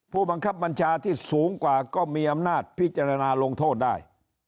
ผู้บังคับบัญชาที่สูงกว่าก็มีอำนาจพิจารณาลงโทษได้